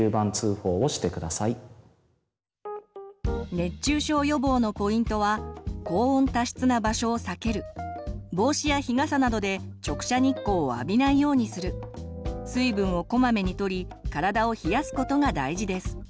熱中症予防のポイントは高温・多湿な場所を避ける帽子や日傘などで直射日光を浴びないようにする水分をこまめにとり体を冷やすことが大事です。